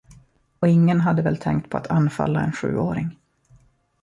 Och ingen hade väl tänkt på att anfalla en sjuåring.